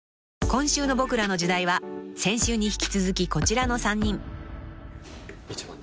［今週の『ボクらの時代』は先週に引き続きこちらの３人］